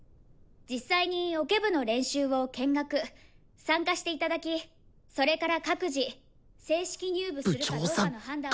実際にオケ部の練習を見学参加していただきそれから各自正式入部するかどうかの判断をお願いします。